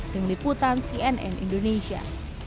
dengan liputan cnn indonesia